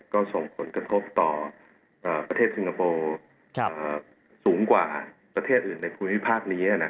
ก็ส่งผลกระทบต่อประเทศสิงคโปร์สูงกว่าประเทศอื่นในภูมิภาคนี้